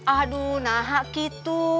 aduh nahak gitu